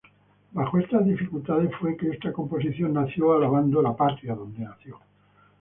Bajo estas dificultades fue que esta composición nació alabando la patria donde nació.